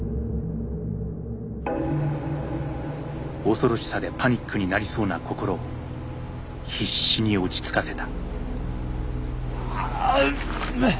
恐ろしさでパニックになりそうな心を必死に落ち着かせた。